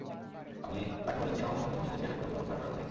আমি তাঁকে বলেছি আমাদের মতো গরিব দেশে এটা পুরোপুরি প্রত্যাহার করা কঠিন।